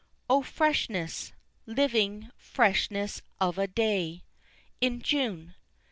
O freshness, living freshness of a day In June!